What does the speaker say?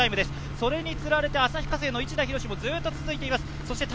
それにつられて旭化成の市田孝もずーっと続いています。